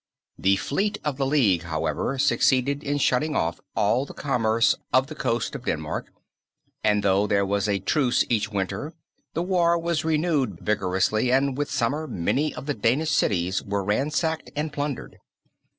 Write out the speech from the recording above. The fleet of the League, however, succeeded in shutting off all the commerce of the coast of Denmark and though there was a truce each winter the war was renewed vigorously, and with summer many of the Danish cities were ransacked and plundered.